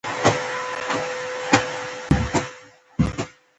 لېوالتیا د انسان فطرت ته ځيرکي وربښي.